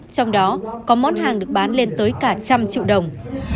trong đó có món hàng được bán lên tới cả trăm triệu đồng